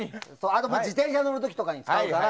あとは自転車乗る時とかに使うやつ。